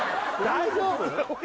大丈夫？